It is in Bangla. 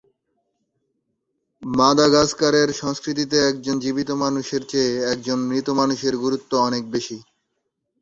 মাদাগাস্কারের সংস্কৃতিতে একজন জীবিত মানুষের চেয়ে একজন মৃত মানুষের গুরুত্ব অনেক বেশি।